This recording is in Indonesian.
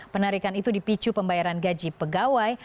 penarikan itu dipicu pembayaran gaji pegawai